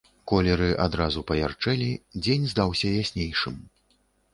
Колеры адразу паярчэлі, дзень здаўся яснейшым.